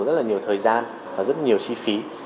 rất là nhiều thời gian và rất nhiều chi phí